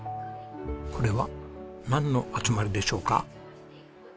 これはなんの集まりでしょうか？